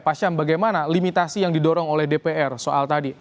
pak syam bagaimana limitasi yang didorong oleh dpr soal tadi